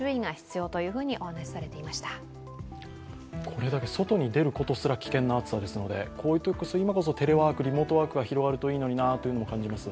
これだけ、外に出るだけで危険な暑さですので、こういうときこそ、今こそテレワーク、リモートワークが広がるといいのになとも感じます。